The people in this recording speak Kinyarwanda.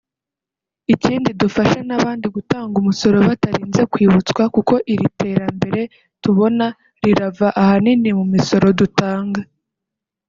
Ikindi dufashe n’abandi gutanga umusoro batarinze kwibutswa kuko iri terambere tubona rirava ahanini mu misoro dutanga